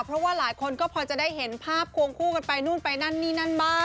เพราะว่าหลายคนก็พอจะได้เห็นภาพควงคู่กันไปนู่นไปนั่นนี่นั่นบ้าง